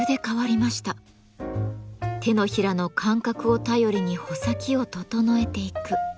手のひらの感覚を頼りに穂先を整えていく。